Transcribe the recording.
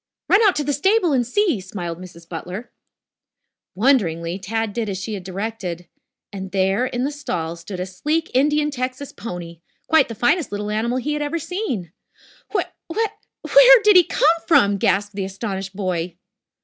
"Run out to the stable and see," smiled Mrs. Butler. Wonderingly, Tad did as she had directed. And there in a stall stood a sleek Indian Texas pony, quite the finest little animal he had ever seen. "Wh whe where did he come from!" gasped the astonished boy.